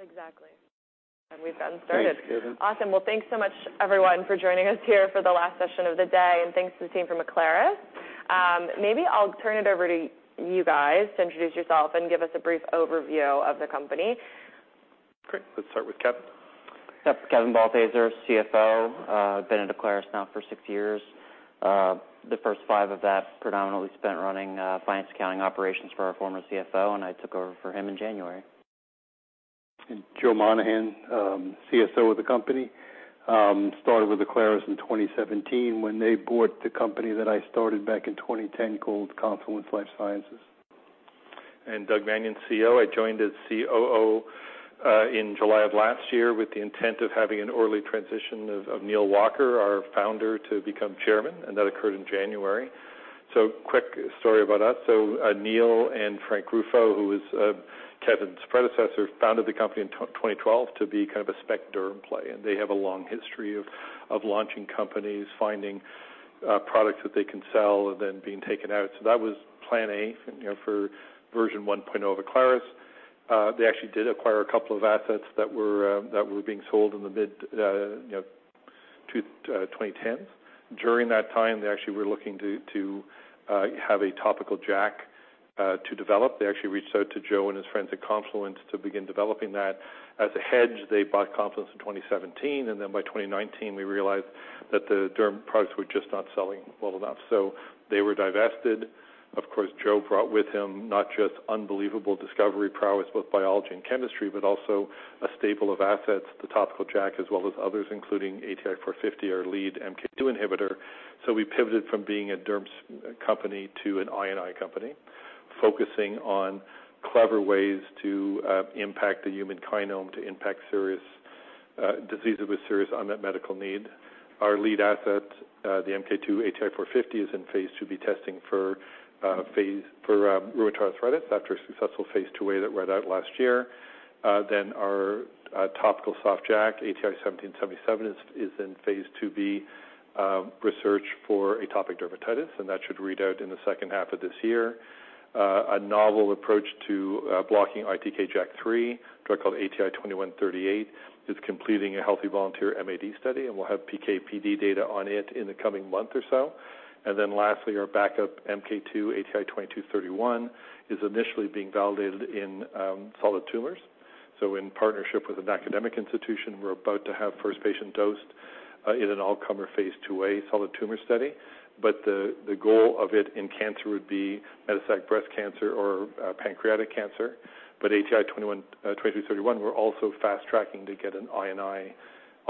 Exactly. We've gotten started. Thanks, Katie. Awesome. Well, thanks so much, everyone, for joining us here for the last session of the day, and thanks to the team from Aclaris. Maybe I'll turn it over to you guys to introduce yourself and give us a brief overview of the company. Great. Let's start with Kevin. Kevin Balthaser, CFO. I've been at Aclaris now for six years. The first five of that predominantly spent running, finance accounting operations for our former CFO. I took over for him in January. Joe Monahan, CSO of the company. Started with Aclaris in 2017, when they bought the company that I started back in 2010 called Confluence Life Sciences. Douglas Manion, CEO. I joined as COO in July of last year, with the intent of having an orderly transition of Neal Walker, our founder, to become chairman, and that occurred in January. Quick story about us. Neal and Frank Ruffo, who was Kevin's predecessor, founded the company in 2012 to be kind of a spec derm play, and they have a long history of launching companies, finding products that they can sell and then being taken out. That was plan A, you know, for version 1.0 of Aclaris. They actually did acquire a couple of assets that were being sold in the mid, you know, 2010s. During that time, they actually were looking to have a topical JAK to develop. They actually reached out to Joe and his friends at Confluence to begin developing that. As a hedge, they bought Confluence in 2017. Then by 2019, we realized that the derm products were just not selling well enough. They were divested. Of course, Joe brought with him not just unbelievable discovery prowess, both biology and chemistry, but also a stable of assets, the topical JAK, as well as others, including ATI-450, our lead MK2 inhibitor. We pivoted from being a derm company to an I&I company, focusing on clever ways to impact the human kinome, to impact serious diseases with serious unmet medical need. Our lead asset, the MK2 ATI-450, is in phase IIb testing for rheumatoid arthritis after a successful phase IIa that read out last year. Our topical soft JAK, ATI-1777, is in phase IIb research for atopic dermatitis. That should read out in the second half of this year. A novel approach to blocking ITK/JAK3, a drug called ATI-2138, is completing a healthy volunteer MAD study. We'll have PK/PD data on it in the coming month or so. Lastly, our backup MK2, ATI-2231, is initially being validated in solid tumors. In partnership with an academic institution, we're about to have first patient dosed in an all-comer Phase IIa solid tumor study. The goal of it in cancer would be metastatic breast cancer or pancreatic cancer. ATI-2231, we're also fast-tracking to get an I&I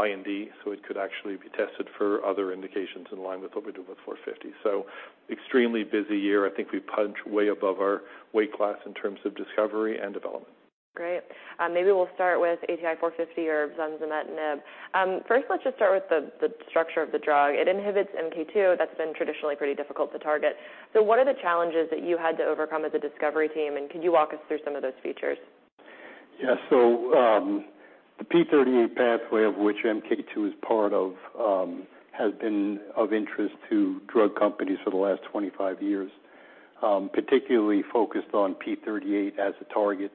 IND. It could actually be tested for other indications in line with what we do with 450. Extremely busy year. I think we punch way above our weight class in terms of discovery and development. Great. Maybe we'll start with ATI-450 or zunsemetinib. First, let's just start with the structure of the drug. It inhibits MK2. That's been traditionally pretty difficult to target. What are the challenges that you had to overcome as a discovery team, and could you walk us through some of those features? The p38 pathway, of which MK2 is part of, has been of interest to drug companies for the last 25 years, particularly focused on p38 as a target.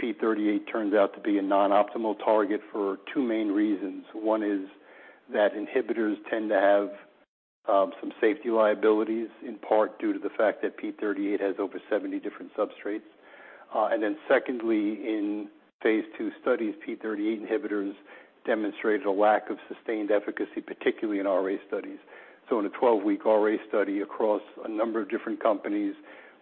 p38 turns out to be a non-optimal target for two main reasons. One is that inhibitors tend to have some safety liabilities, in part due to the fact that p38 has over 70 different substrates. Secondly, in phase II studies, p38 inhibitors demonstrated a lack of sustained efficacy, particularly in RA studies. In a 12 week RA study across a number of different companies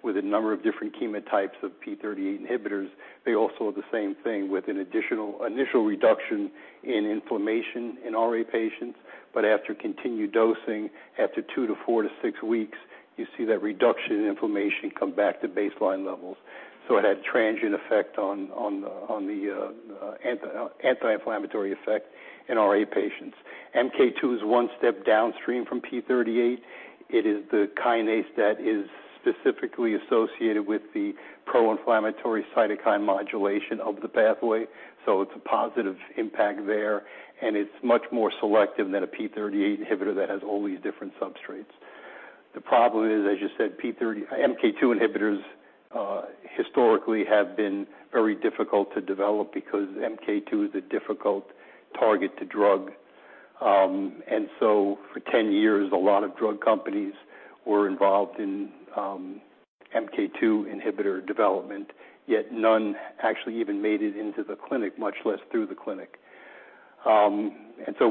with a number of different chemotypes of p38 inhibitors, they all saw the same thing, with an initial reduction in inflammation in RA patients. After continued dosing, after two to four to six weeks, you see that reduction in inflammation come back to baseline levels. It had transient effect on the anti-inflammatory effect in RA patients. MK2 is one step downstream from p38. It is the kinase that is specifically associated with the pro-inflammatory cytokine modulation of the pathway. It's a positive impact there, and it's much more selective than a p38 inhibitor that has all these different substrates. The problem is, as you said, MK2 inhibitors historically have been very difficult to develop because MK2 is a difficult target to drug. For 10 years, a lot of drug companies were involved in MK2 inhibitor development, yet none actually even made it into the clinic, much less through the clinic.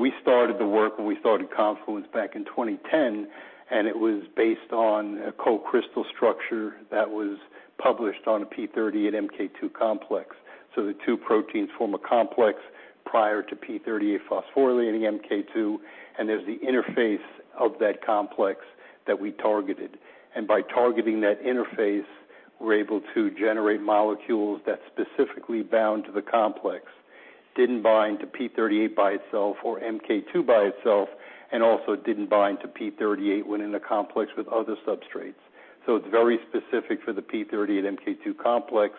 We started the work when we started Confluence back in 2010, and it was based on a co-crystal structure that was published on a p38/MK2 complex. The two proteins form a complex prior to p38 phosphorylating MK2, and there's the interface of that complex that we targeted. By targeting that interface, we're able to generate molecules that specifically bound to the complex, didn't bind to p38 by itself or MK2 by itself, and also didn't bind to p38 when in a complex with other substrates. It's very specific for the p38 and MK2 complex,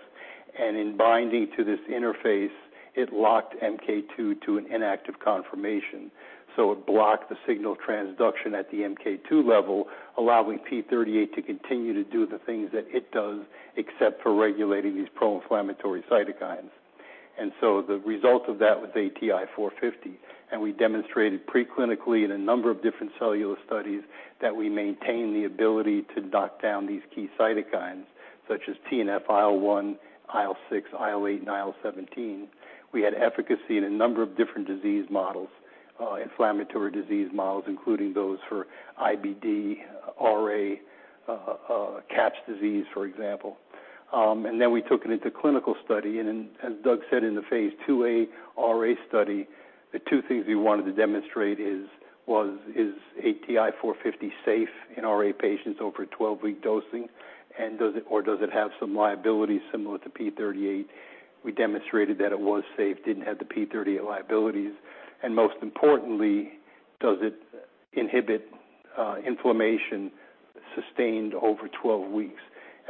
and in binding to this interface, it locked MK2 to an inactive conformation. It blocked the signal transduction at the MK2 level, allowing p38 to continue to do the things that it does, except for regulating these pro-inflammatory cytokines. The result of that was ATI-450, and we demonstrated pre-clinically in a number of different cellular studies, that we maintain the ability to knock down these key cytokines, such as TNF, IL-1, IL-6, IL-8, and IL-17. We had efficacy in a number of different disease models, inflammatory disease models, including those for IBD, RA, CAPS, for example. We took it into clinical study, as Doug said in the phase IIa RA study, the two things we wanted to demonstrate is ATI-450 safe in RA patients over a 12 week dosing? Does it, or does it have some liability similar to p38? We demonstrated that it was safe, didn't have the p38 liabilities. Most importantly, does it inhibit inflammation sustained over 12 weeks?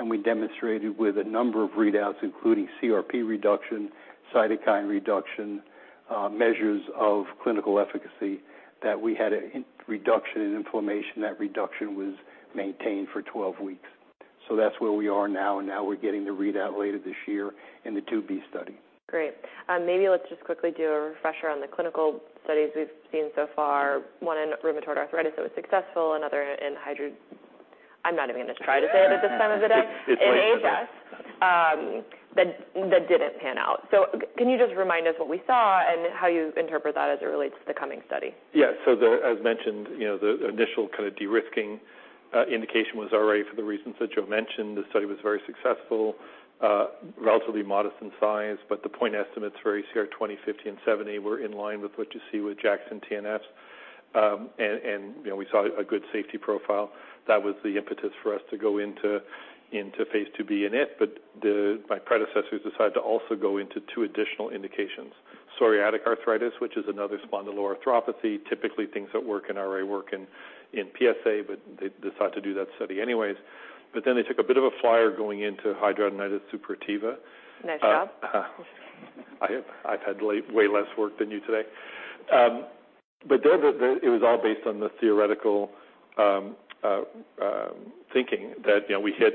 We demonstrated with a number of readouts, including CRP reduction, cytokine reduction, measures of clinical efficacy, that we had a reduction in inflammation. That reduction was maintained for 12 weeks. That's where we are now, and now we're getting the readout later this year in the phase IIb study. Great. Maybe let's just quickly do a refresher on the clinical studies we've seen so far. One in rheumatoid arthritis that was successful, another in hydro... I'm not even going to try to say it at this time of the day. It's- In HS, that didn't pan out. Can you just remind us what we saw and how you interpret that as it relates to the coming study? As mentioned, you know, the initial kind of de-risking indication was RA, for the reasons that Joe mentioned. The study was very successful, relatively modest in size, the point estimates for ACR20, ACR50, and ACR70 were in line with what you see with JAK and TNF. You know, we saw a good safety profile. That was the impetus for us to go into phase IIb in it. My predecessors decided to also go into two additional indications. Psoriatic arthritis, which is another spondyloarthropathy. Typically, things that work in RA work in PSA, they decided to do that study anyways. They took a bit of a flyer going into hidradenitis suppurativa. Nice job. I have, I've had way less work than you today. There it was all based on the theoretical thinking that, you know, we hit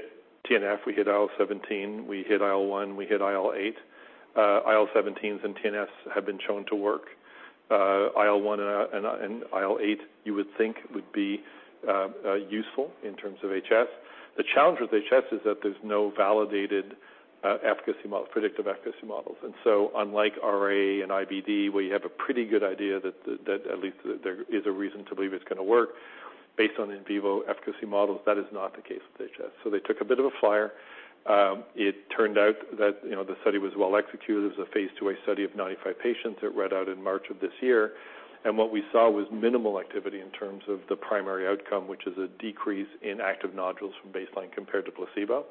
TNF, we hit IL-17, we hit IL-1, we hit IL-8. IL-17s and TNFs have been shown to work. IL-1 and IL-8, you would think would be useful in terms of HS. The challenge with HS is that there's no validated efficacy model, predictive efficacy models. Unlike RA and IBD, where you have a pretty good idea that at least there is a reason to believe it's gonna work based on in vivo efficacy models, that is not the case with HS. They took a bit of a flyer. It turned out that, you know, the study was well executed. It was a phase IIa study of 95 patients. It read out in March of this year. What we saw was minimal activity in terms of the primary outcome, which is a decrease in active nodules from baseline compared to placebo.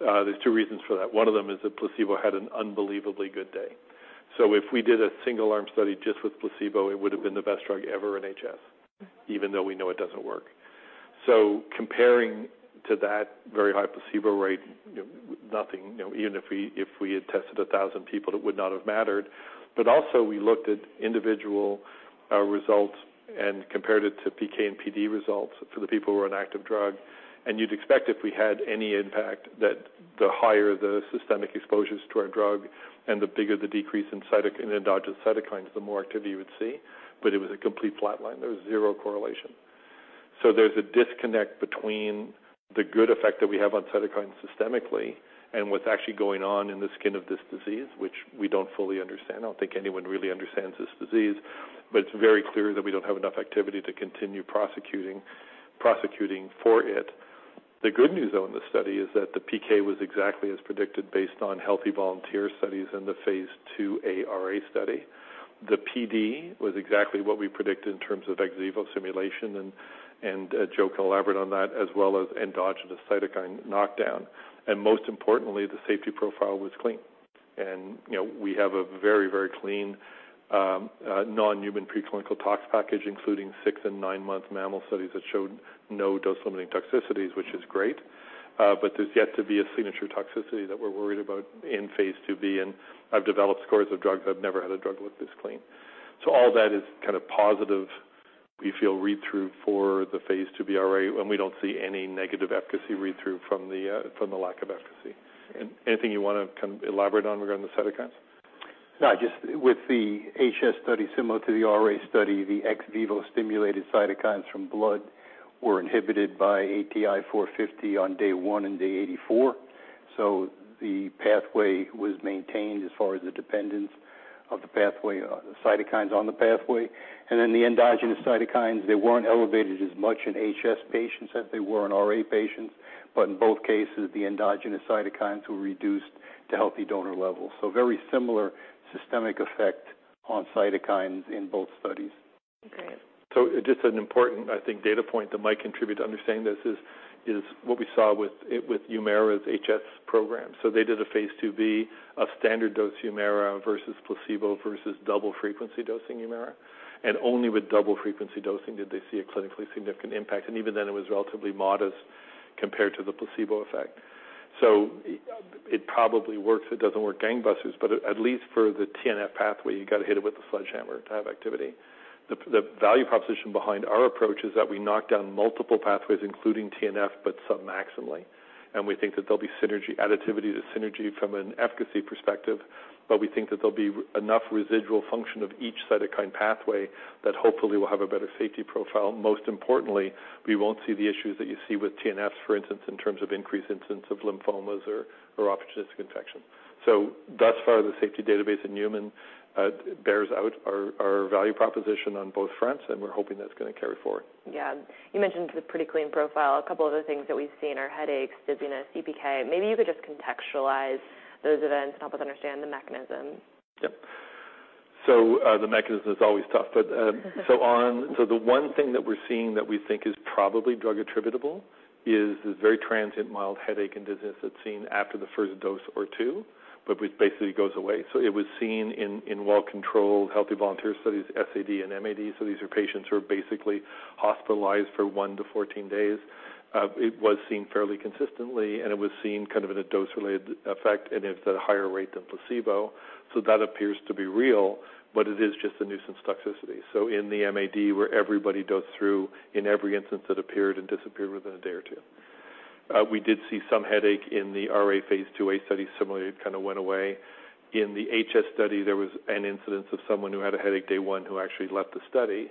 There's two reasons for that. One of them is that placebo had an unbelievably good day. If we did a single arm study just with placebo, it would've been the best drug ever in HS, even though we know it doesn't work. Comparing to that very high placebo rate, nothing, you know, even if we, if we had tested 1,000 people, it would not have mattered. Also, we looked at individual results and compared it to PK and PD results for the people who were on active drug. You'd expect, if we had any impact, that the higher the systemic exposures to our drug and the bigger the decrease in cytokine, endogenous cytokines, the more activity you would see. It was a complete flat line. There was zero correlation. There's a disconnect between the good effect that we have on cytokines systemically and what's actually going on in the skin of this disease, which we don't fully understand. I don't think anyone really understands this disease, but it's very clear that we don't have enough activity to continue prosecuting for it. The good news, though, in the study, is that the PK was exactly as predicted, based on healthy volunteer studies in the phase IIa RA study. The PD was exactly what we predicted in terms of ex vivo simulation, and Joe can elaborate on that, as well as endogenous cytokine knockdown. Most importantly, the safety profile was clean. You know, we have a very, very clean non-human preclinical tox package, including six and nine month mammal studies that showed no dose-limiting toxicities, which is great. There's yet to be a signature toxicity that we're worried about in phase IIb, and I've developed scores of drugs. I've never had a drug look this clean. All that is kind of positive, we feel, read-through for the phase IIb RA, and we don't see any negative efficacy read-through from the lack of efficacy. Anything you want to kind of elaborate on regarding the cytokines? Just with the HS study, similar to the RA study, the ex vivo stimulated cytokines from blood were inhibited by ATI-450 on day one and day 84. The pathway was maintained as far as the dependence of the pathway, cytokines on the pathway. The endogenous cytokines, they weren't elevated as much in HS patients as they were in RA patients. In both cases, the endogenous cytokines were reduced to healthy donor levels. Very similar systemic effect on cytokines in both studies. Great. Just an important, I think, data point that might contribute to understanding this is what we saw with HUMIRA's HS program. They did a phase IIb of standard dose HUMIRA, versus placebo, versus double frequency dosing HUMIRA, and only with double frequency dosing did they see a clinically significant impact, and even then, it was relatively modest compared to the placebo effect. It probably works. It doesn't work gangbusters, but at least for the TNF pathway, you got to hit it with a sledgehammer to have activity. The value proposition behind our approach is that we knock down multiple pathways, including TNF, but sub maximally. We think that there'll be synergy, additivity to synergy from an efficacy perspective, but we think that there'll be enough residual function of each cytokine pathway that hopefully will have a better safety profile. Most importantly, we won't see the issues that you see with TNFs, for instance, in terms of increased incidence of lymphomas or opportunistic infection. Thus far, the safety database in humans bears out our value proposition on both fronts, and we're hoping that's going to carry forward. Yeah. You mentioned the pretty clean profile. A couple other things that we've seen are headaches, dizziness, CPK. Maybe you could just contextualize those events to help us understand the mechanism. Yep. The mechanism is always tough, but the one thing that we're seeing that we think is probably drug attributable, is this very transient, mild headache and dizziness that's seen after the first dose or two, but which basically goes away. It was seen in well-controlled, healthy volunteer studies, SAD and MAD. These are patients who are basically hospitalized for one to 14 days. It was seen fairly consistently, and it was seen kind of in a dose-related effect, and it's at a higher rate than placebo. That appears to be real, but it is just a nuisance toxicity. In the MAD, where everybody goes through, in every instance, it appeared and disappeared within a day or two. We did see some headache in the RA phase IIa study. Similarly, it kind of went away. In the HS study, there was an incidence of someone who had a headache day one, who actually left the study.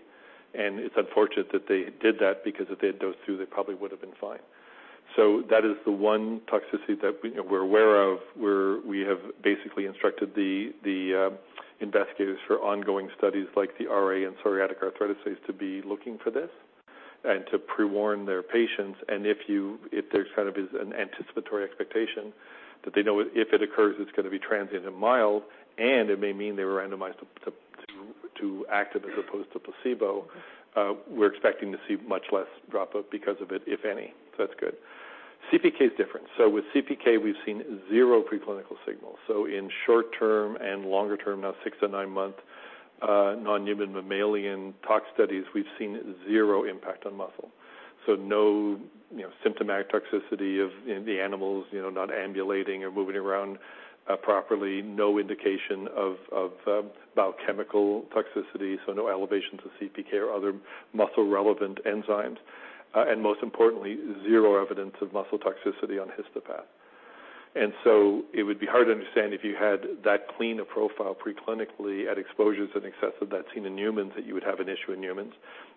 It's unfortunate that they did that because if they had dosed through, they probably would have been fine. That is the one toxicity that we're aware of, where we have basically instructed the investigators for ongoing studies like the RA and psoriatic arthritis studies, to be looking for this and to pre-warn their patients. If there's kind of an anticipatory expectation that they know if it occurs, it's going to be transient and mild, and it may mean they were randomized to active as opposed to placebo, we're expecting to see much less drop off because of it, if any. That's good. CPK is different. With CPK, we've seen zero preclinical signals. In short term and longer term, now six to nine month non-human mammalian tox studies, we've seen zero impact on muscle. No, you know, symptomatic toxicity of the animals, you know, not ambulating or moving around properly. No indication of biochemical toxicity, so no elevations of CPK or other muscle-relevant enzymes. Most importantly, zero evidence of muscle toxicity on histopath. It would be hard to understand if you had that clean a profile preclinically at exposures in excess of that seen in humans, that you would have an issue in humans.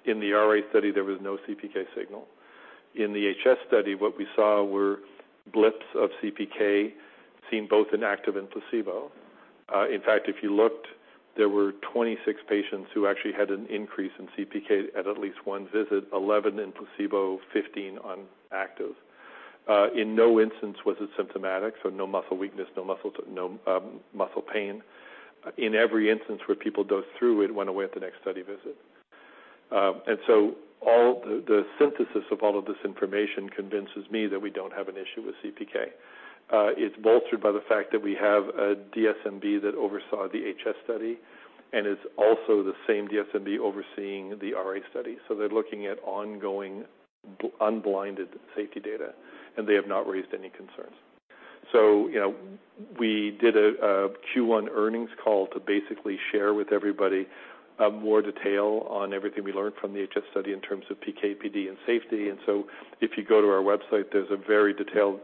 In the RA study, there was no CPK signal. In the HS study, what we saw were blips of CPK seen both in active and placebo. In fact, if you looked, there were 26 patients who actually had an increase in CPK at at least one visit, 11 in placebo, 15 on active. In no instance was it symptomatic, so no muscle weakness, no muscle pain. In every instance where people dosed through, it went away at the next study visit. All the synthesis of all of this information convinces me that we don't have an issue with CPK. It's bolstered by the fact that we have a DSMB that oversaw the HS study, and it's also the same DSMB overseeing the RA study. They're looking at ongoing, unblinded safety data, and they have not raised any concerns. You know, we did a Q1 earnings call to basically share with everybody more detail on everything we learned from the HS study in terms of PK/PD, and safety. If you go to our website, there's a very detailed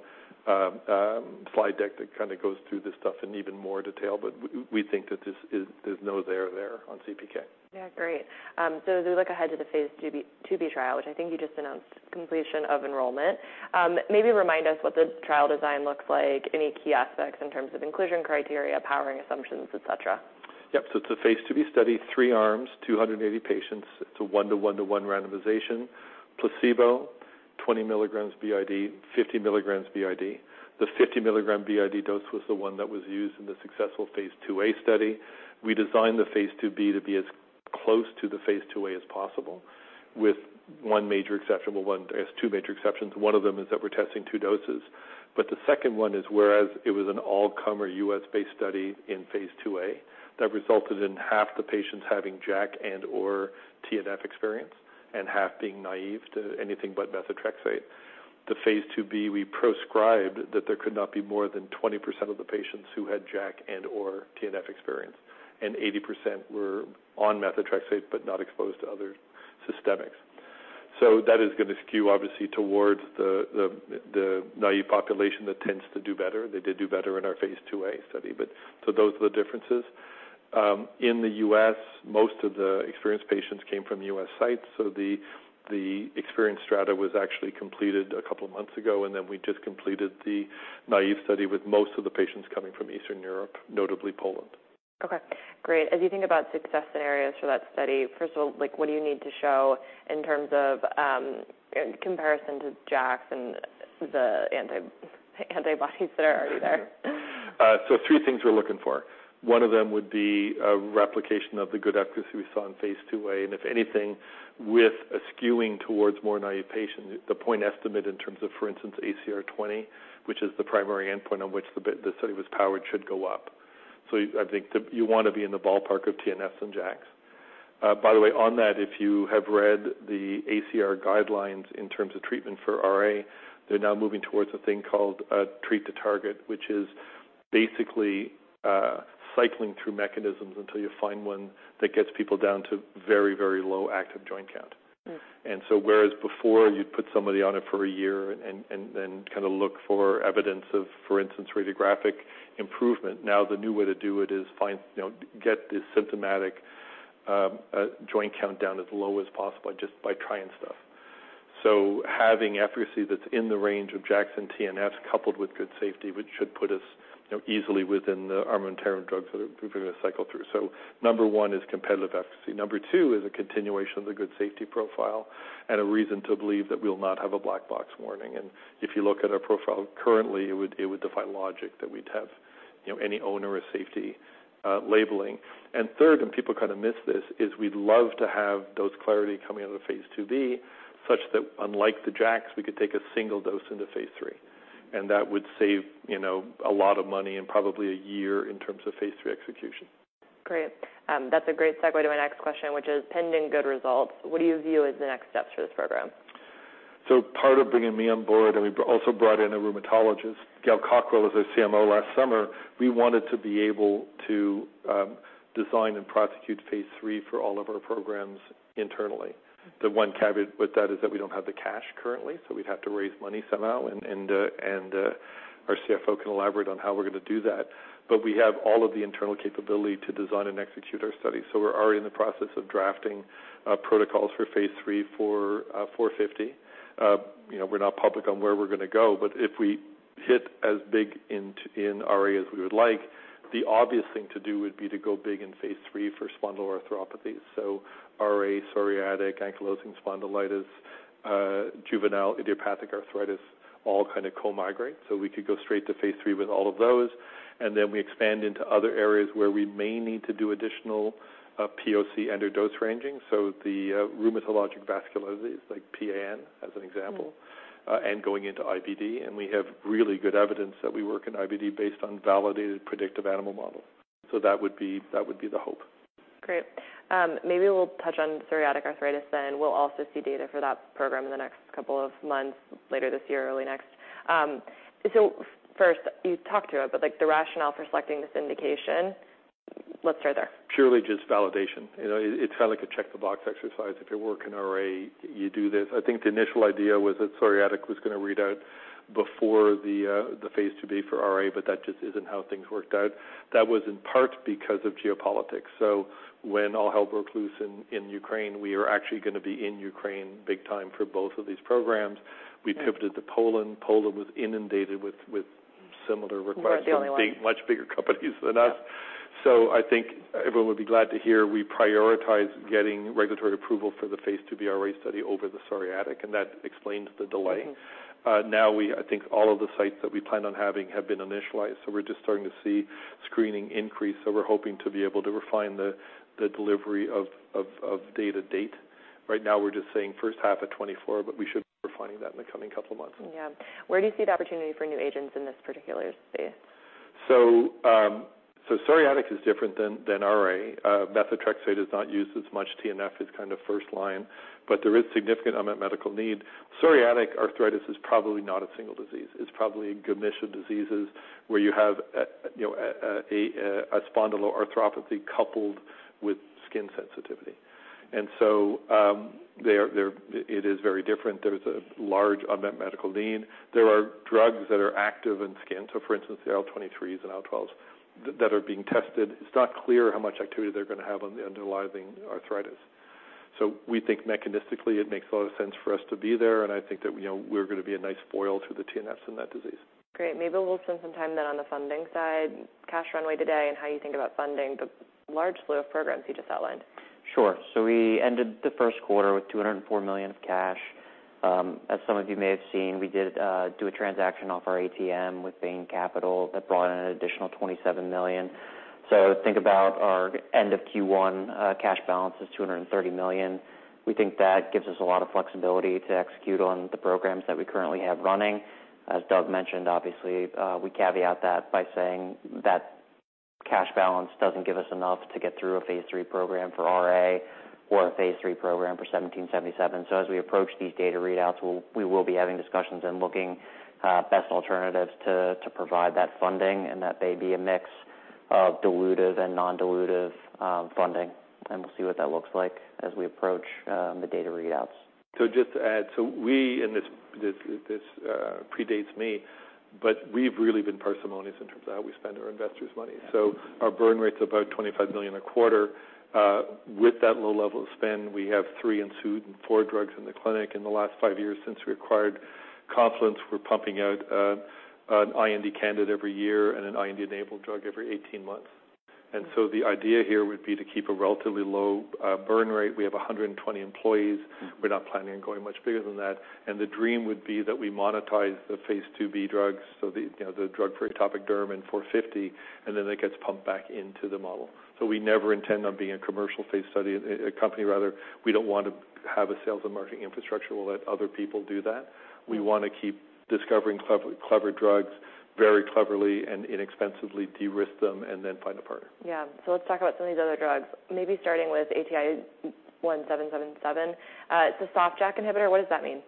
slide deck that kind of goes through this stuff in even more detail, but we think that this is, there's no there on CPK. Great. As we look ahead to the phase IIb trial, which I think you just announced completion of enrollment. Maybe remind us what the trial design looks like, any key aspects in terms of inclusion, criteria, powering, assumptions, et cetera. Yep. It's a phase IIb study, three arms, 280 patients. It's a one to one to one randomization, placebo, 20 mg BID, 50 mg BID. The 50 mg BID dose was the one that was used in the successful phase IIa study. We designed the phase IIb to be as close to the phase IIa as possible, with one major exception, well, there's two major exceptions. One of them is that we're testing two doses, but the second one is, whereas it was an all-comer U.S.-based study in phase IIa, that resulted in half the patients having JAK and/or TNF experience, and half being naive to anything but methotrexate. The phase IIb, we proscribed that there could not be more than 20% of the patients who had JAK and/or TNF experience, and 80% were on methotrexate, but not exposed to other systemics. That is going to skew, obviously, towards the naive population that tends to do better. They did do better in our phase IIa study, those are the differences. In the U.S., most of the experienced patients came from U.S. sites, the experienced strata was actually completed a couple of months ago, we just completed the naive study with most of the patients coming from Eastern Europe, notably Poland. Okay, great. As you think about success scenarios for that study, first of all, like, what do you need to show in terms of in comparison to JAKs and the antibodies that are already there? Three things we're looking for. One of them would be a replication of the good efficacy we saw in phase IIa, and if anything, with a skewing towards more naive patients, the point estimate in terms of, for instance, ACR20, which is the primary endpoint on which the study was powered, should go up. I think that you want to be in the ballpark of TNFs and JAKs. By the way, on that, if you have read the ACR guidelines in terms of treatment for RA, they're now moving towards a thing called Treat to Target, which is basically cycling through mechanisms until you find one that gets people down to very, very low active joint count. Whereas before you'd put somebody on it for a year and then kind of look for evidence of, for instance, radiographic improvement, now the new way to do it is find, you know, get this symptomatic joint count down as low as possible just by trying stuff. Having efficacy that's in the range of JAK and TNFs, coupled with good safety, which should put us, you know, easily within the arm and terrain drugs that we're going to cycle through. Number one is competitive efficacy. Number two is a continuation of the good safety profile and a reason to believe that we'll not have a black box warning. If you look at our profile currently, it would defy logic that we'd have, you know, any onerous safety labeling. Third, and people kind of miss this, is we'd love to have dose clarity coming out of the phase IIb, such that unlike the JAKs, we could take a single dose into phase III. That would save, you know, a lot of money and probably a year in terms of phase III execution. Great. That's a great segue to my next question, which is pending good results, what do you view as the next steps for this program? Part of bringing me on board, and we also brought in a rheumatologist, Gail Cawkwell, as our CMO last summer, we wanted to be able to design and prosecute phase III for all of our programs internally. The one caveat with that is that we don't have the cash currently, so we'd have to raise money somehow, our CFO can elaborate on how we're going to do that. We have all of the internal capability to design and execute our studies. We're already in the process of drafting protocols for phase III, for 450. You know, we're not public on where we're going to go, but if we hit as big in RA as we would like, the obvious thing to do would be to go big in phase III for spondyloarthropathies. RA, psoriatic, ankylosing spondylitis, juvenile idiopathic arthritis, all kind of co-migrate. We could go straight to phase III with all of those, and then we expand into other areas where we may need to do additional POC and/or dose ranging. The rheumatologic vascular disease, like PAN, as an example, and going into IBD, and we have really good evidence that we work in IBD based on validated predictive animal models. That would be the hope. Great. Maybe we'll touch on psoriatic arthritis then. We'll also see data for that program in the next couple of months, later this year or early next. First, you talked to it, but, like, the rationale for selecting this indication, let's start there. Purely just validation. You know, it's kind of like a check-the-box exercise. If you work in RA, you do this. I think the initial idea was that psoriatic was going to read out before the phase IIb for RA, but that just isn't how things worked out. That was in part because of geopolitics. When all hell broke loose in Ukraine, we were actually going to be in Ukraine big time for both of these programs. We pivoted to Poland. Poland was inundated with similar requests- Not the only one. From much bigger companies than us. Yeah. I think everyone would be glad to hear we prioritize getting regulatory approval for the phase IIb RA study over the psoriatic, and that explains the delay. Mm-hmm. I think all of the sites that we plan on having have been initialized, so we're just starting to see screening increase. We're hoping to be able to refine the delivery of data date. Right now, we're just saying first half of 2024, but we should be refining that in the coming couple of months. Yeah. Where do you see the opportunity for new agents in this particular space? Psoriatic is different than RA. Methotrexate is not used as much. TNF is kind of first line, there is significant unmet medical need. Psoriatic arthritis is probably not a single disease. It's probably a commission of diseases where you have a, you know, a spondyloarthropathy coupled with skin sensitivity. It is very different. There is a large unmet medical need. There are drugs that are active in skin, so for instance, the IL-23s and IL-12s, that are being tested. It's not clear how much activity they're going to have on the underlying arthritis. We think mechanistically, it makes a lot of sense for us to be there, and I think that, you know, we're going to be a nice foil to the TNFs in that disease. Great. Maybe we'll spend some time then on the funding side, cash runway today, and how you think about funding the large slew of programs you just outlined. Sure. We ended the first quarter with $204 million of cash. As some of you may have seen, we did do a transaction off our ATM with Bain Capital that brought in an additional $27 million. Think about our end of Q1 cash balance is $230 million. We think that gives us a lot of flexibility to execute on the programs that we currently have running. As Doug mentioned, obviously, we caveat that by saying that cash balance doesn't give us enough to get through a phase III program for RA or a phase III program for ATI-1777. As we approach these data readouts, we will be having discussions and looking best alternatives to provide that funding, and that may be a mix of dilutive and non-dilutive funding, and we'll see what that looks like as we approach the data readouts. Just to add, we, and this predates me, but we've really been parsimonious in terms of how we spend our investors' money. Our burn rate's about $25 million a quarter. With that low level of spend, we have three and two and four drugs in the clinic. In the last five years, since we acquired Confluence, we're pumping out an IND candidate every year and an IND-enabled drug every 18 months. The idea here would be to keep a relatively low burn rate. We have 120 employees. We're not planning on going much bigger than that. The dream would be that we monetize the phase IIb drugs, so the, you know, the drug for atopic derm in 450, and then that gets pumped back into the model. We never intend on being a commercial phase study, a company, rather. We don't want to have a sales and marketing infrastructure. We'll let other people do that. We want to keep discovering clever drugs very cleverly and inexpensively, de-risk them, and then find a partner. Yeah. Let's talk about some of these other drugs, maybe starting with ATI-1777. It's a soft JAK inhibitor. What does that mean?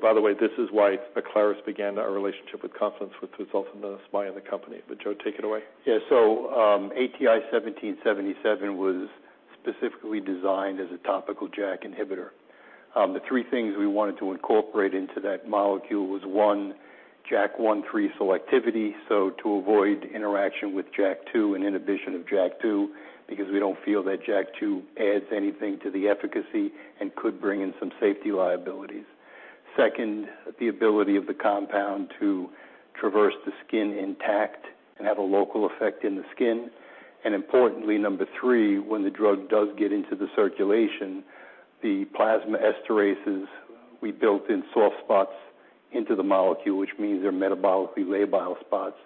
By the way, this is why Aclaris began our relationship with Confluence, which resulted in us buying the company. Joe, take it away. ATI-1777 was specifically designed as a topical JAK inhibitor. The three things we wanted to incorporate into that molecule was, one, JAK1/3 selectivity, so to avoid interaction with JAK2 and inhibition of JAK2, because we don't feel that JAK2 adds anything to the efficacy and could bring in some safety liabilities. Second, the ability of the compound to traverse the skin intact and have a local effect in the skin. Importantly, number three, when the drug does get into the circulation, the plasma esterases, we built in soft spots into the molecule, which means they're metabolically labile spots.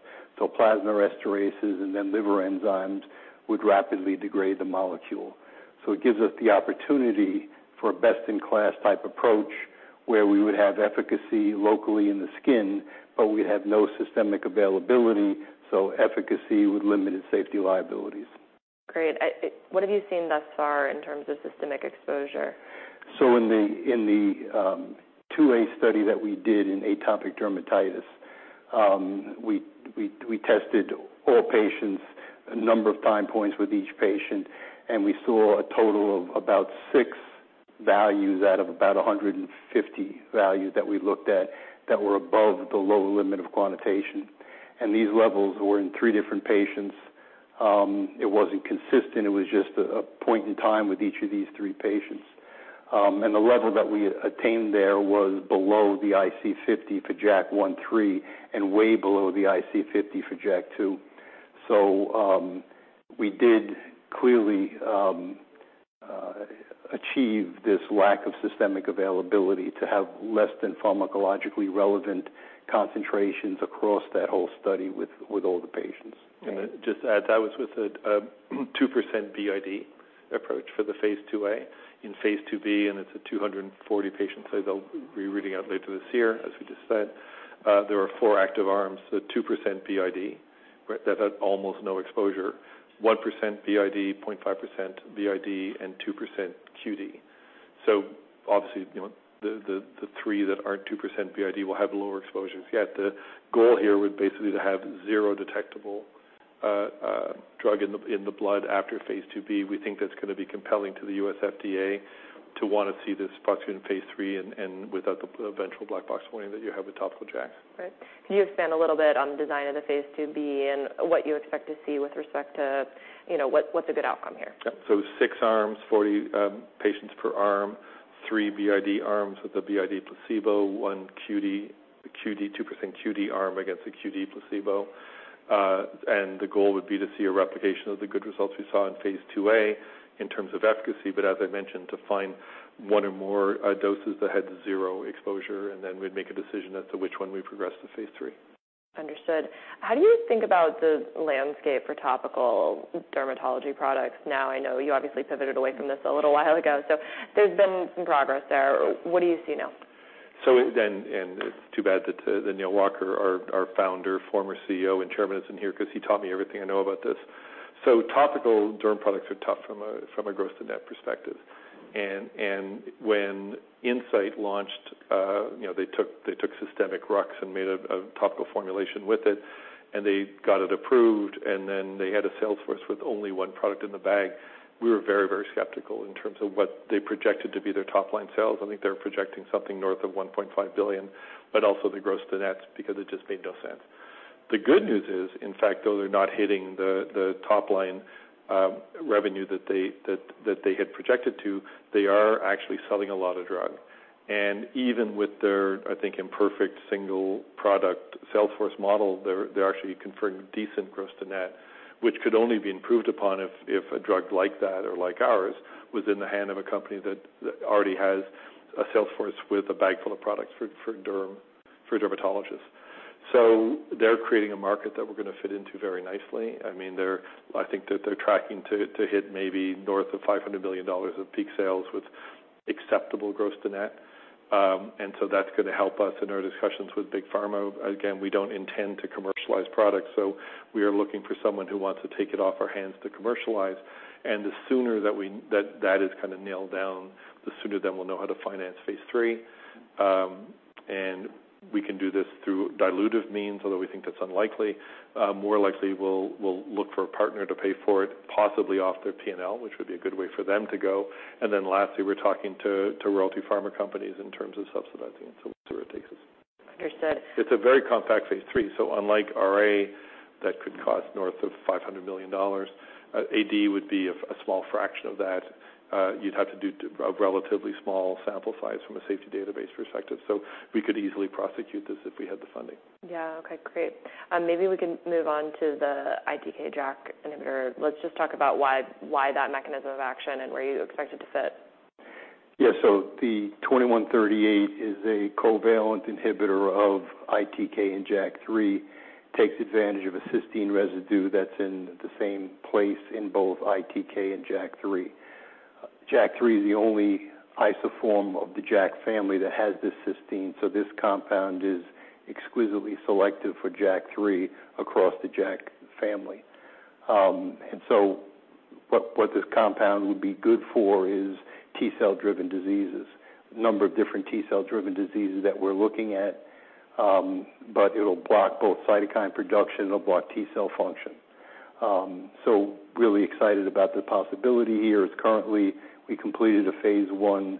Plasma esterases and then liver enzymes would rapidly degrade the molecule. It gives us the opportunity for a best-in-class type approach, where we would have efficacy locally in the skin, but we have no systemic availability, so efficacy with limited safety liabilities. Great. What have you seen thus far in terms of systemic exposure? In the two-way study that we did in atopic dermatitis, we tested all patients, a number of time points with each patient, and we saw a total of about six values out of about 150 values that we looked at that were above the lower limit of quantitation. These levels were in 3 different patients. It wasn't consistent, it was just a point in time with each of these three patients. The level that we attained there was below the IC50 for JAK1/3 and way below the IC50 for JAK2. We did clearly achieve this lack of systemic availability to have less than pharmacologically relevant concentrations across that whole study with all the patients. Great. Just to add, that was with a 2% BID approach for the phase IIa. In phase IIb, and it's a 240 patient study that we'll be reading out later this year, as we just said, there are four active arms, the 2% BID, right, that had almost no exposure, 1% BID, 0.5% BID, and 2% QD. Obviously, you know, the three that aren't 2% BID will have lower exposures. Yet the goal here would basically to have zero detectable drug in the blood after phase IIb. We think that's gonna be compelling to the U.S. FDA to want to see this product in phase III and without the eventual black box warning that you have with topical JAKs. Can you expand a little bit on the design of the phase IIb and what you expect to see with respect to, you know, what's a good outcome here? Six arms, 40 patients per arm, three BID arms with a BID placebo, one 2% QD arm against a QD placebo. The goal would be to see a replication of the good results we saw in phase IIa in terms of efficacy, but as I mentioned, to find one or more doses that had zero exposure, and then we'd make a decision as to which one we progress to phase III. Understood. How do you think about the landscape for topical dermatology products now? I know you obviously pivoted away from this a little while ago. There's been some progress there. What do you see now? And it's too bad that Neal Walker, our founder, former CEO and chairman, isn't here because he taught me everything I know about this. Topical derm products are tough from a, from a gross to net perspective. When Incyte launched, you know, they took systemic RUX and made a topical formulation with it, and they got it approved, and then they had a sales force with only one product in the bag. We were very, very skeptical in terms of what they projected to be their top-line sales. I think they were projecting something north of $1.5 billion, but also the gross to net, because it just made no sense. The good news is, in fact, though they're not hitting the top line, revenue that they had projected to, they are actually selling a lot of drug. Even with their, I think, imperfect single product sales force model, they're actually conferring decent gross to net, which could only be improved upon if a drug like that or like ours, was in the hand of a company that already has a sales force with a bag full of products for derm, for dermatologists. They're creating a market that we're gonna fit into very nicely. I mean, I think that they're tracking to hit maybe north of $500 billion of peak sales with acceptable gross to net. That's gonna help us in our discussions with big pharma. We don't intend to commercialize products, so we are looking for someone who wants to take it off our hands to commercialize. The sooner that we, that is kind of nailed down, the sooner then we'll know how to finance phase III. We can do this through dilutive means, although we think that's unlikely. More likely, we'll look for a partner to pay for it, possibly off their P&L, which would be a good way for them to go. Lastly, we're talking to royalty pharma companies in terms of subsidizing it. We'll see where it takes us. Understood. It's a very compact phase III. Unlike RA, that could cost north of $500 million, AD would be a small fraction of that. You'd have to do a relatively small sample size from a safety database perspective. We could easily prosecute this if we had the funding. Okay, great. Maybe we can move on to the ITK/JAK inhibitor. Let's just talk about why that mechanism of action and where you expect it to fit? Yeah. ATI-2138 is a covalent inhibitor of ITK and JAK3. Takes advantage of a cysteine residue that's in the same place in both ITK and JAK3. JAK3 is the only isoform of the JAK family that has this cysteine, this compound is exquisitely selective for JAK3 across the JAK family. What this compound would be good for is T-cell driven diseases. A number of different T-cell driven diseases that we're looking at, but it'll block both cytokine production, it'll block T-cell function. Really excited about the possibility here. As currently, we completed a phase I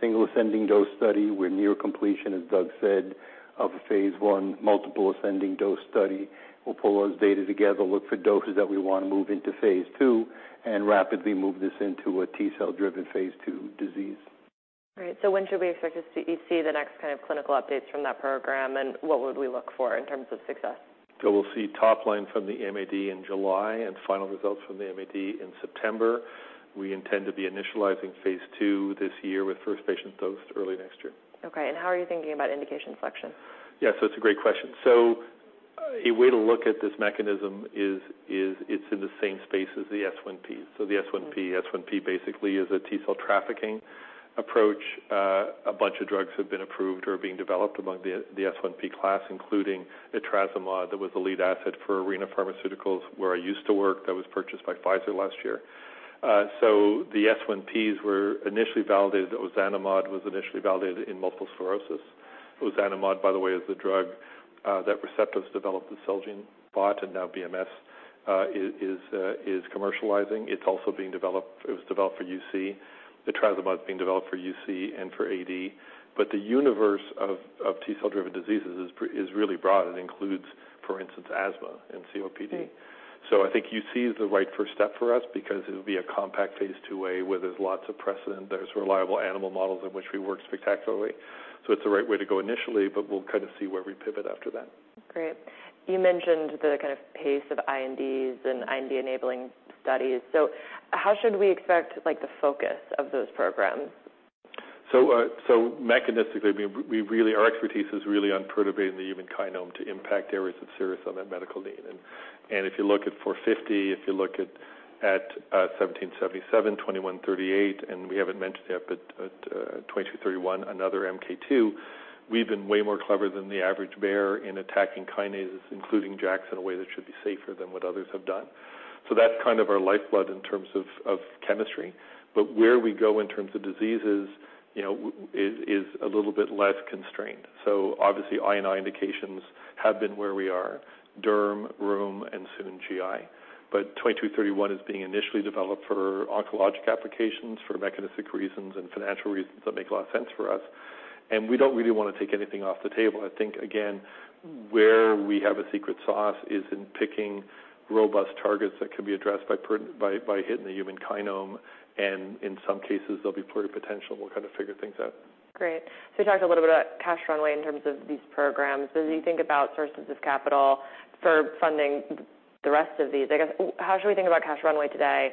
single ascending dose study. We're near completion, as Doug said, of a phase I multiple ascending dose study. We'll pull those data together, look for doses that we want to move into phase II, and rapidly move this into a T-cell driven phase II disease. Great. When should we expect to see the next kind of clinical updates from that program, and what would we look for in terms of success? We'll see top line from the MAD in July, and final results from the MAD in September. We intend to be initializing phase II this year, with first patient dose early next year. Okay. How are you thinking about indication selection? It's a great question. A way to look at this mechanism is it's in the same space as the S1Ps. The S1P basically is a T-cell trafficking approach. A bunch of drugs have been approved or are being developed among the S1P class, including the etrasimod, that was the lead asset for Arena Pharmaceuticals, where I used to work, that was purchased by Pfizer last year. The S1Ps were initially validated, ozanimod was initially validated in multiple sclerosis. Ozanimod, by the way, is the drug that Receptos developed with Celgene, bought, and now BMS is commercializing. It was developed for UC. The etrasimod is being developed for UC and for AD. The universe of T-cell driven diseases is really broad, and includes, for instance, asthma and COPD. Right. I think UC is the right first step for us, because it'll be a compact phase IIa, where there's lots of precedent, there's reliable animal models in which we work spectacularly. It's the right way to go initially, but we'll kind of see where we pivot after that. Great. You mentioned the kind of pace of INDs and IND-enabling studies. How should we expect, like, the focus of those programs? Mechanistically, our expertise is really on perturbing the human kinome to impact areas of serious unmet medical need. If you look at 450, if you look at ATI-1777, ATI-2138, and we haven't mentioned it yet, ATI-2231, another MK2, we've been way more clever than the average bear in attacking kinases, including JAKs, in a way that should be safer than what others have done. That's kind of our lifeblood in terms of chemistry. Where we go in terms of diseases, you know, is a little bit less constrained. Obviously, I&I indications have been where we are, derm, rheum, and soon GI. 2231 is being initially developed for oncologic applications, for mechanistic reasons and financial reasons that make a lot of sense for us. We don't really want to take anything off the table. I think, again, where we have a secret sauce is in picking robust targets that can be addressed by hitting the human kinome, and in some cases, there'll be pleuro potential, and we'll kind of figure things out. Great. You talked a little bit about cash runway in terms of these programs. As you think about sources of capital for funding the rest of these, I guess, how should we think about cash runway today?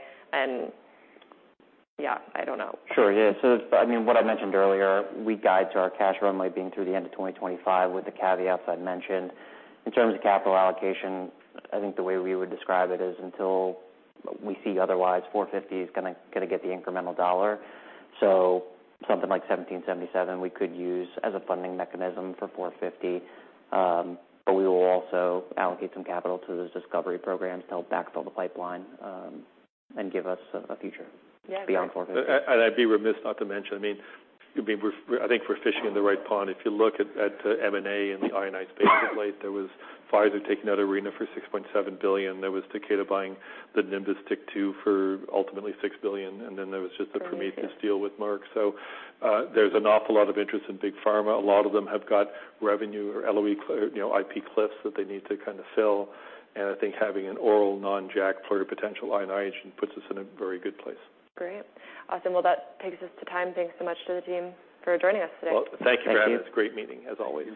Yeah, I don't know. Sure, yeah. I mean, what I mentioned earlier, we guide to our cash runway being through the end of 2025, with the caveats I mentioned. In terms of capital allocation, I think the way we would describe it is, until we see otherwise, ATI-450 is gonna get the incremental dollar. Something like ATI-1777, we could use as a funding mechanism for ATI-450, but we will also allocate some capital to those discovery programs to help backfill the pipeline, and give us a future- Yeah. Beyond 450. I'd be remiss not to mention, I mean, we're, I think we're fishing in the right pond. If you look at M&A in the I&I space of late, there was Pfizer taking out Arena for $6.7 billion. There was Takeda buying the Nimbus TYK2 for ultimately $6 billion, and then there was just the Prometheus deal with Merck. Yeah. There's an awful lot of interest in big pharma. A lot of them have got revenue or LOE you know, IP cliffs that they need to kind of fill, I think having an oral non-JAK pleuro potential I and I agent puts us in a very good place. Great. Awesome. Well, that takes us to time. Thanks so much to the team for joining us today. Well, thank you, Brad. Thank you. It's a great meeting, as always.